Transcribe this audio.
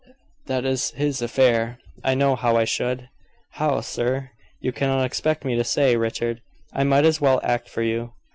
"That is his affair. I know how I should." "How, sir?" "You cannot expect me to say, Richard. I might as well act for you."